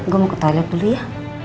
gua mau ke toilet dulu ya